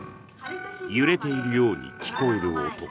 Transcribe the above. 揺れているように聞こえる音。